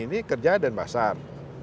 ini kerja dan pasar